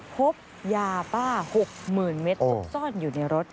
พบยาบ้า๖๐๐๐เมตรซุกซ่อนอยู่ในรถ